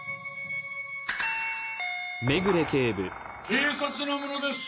警察の者です。